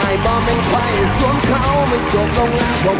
อายบ่มันใครสวงเขามันจะโงงหลัง